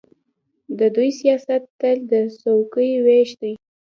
د دوی سیاست تل د څوکۍو وېش دی.